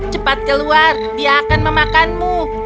cepat keluar dia akan memakanmu